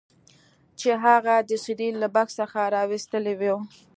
چې هغه د سیریل له بکس څخه راویستلی و